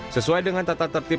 sesuai dengan tata tertib